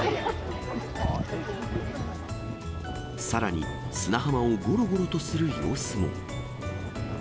さらに、砂浜をごろごろとする様子も。